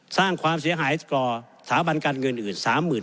สร้างความเสียหายต่อสถาบันการเงินอื่น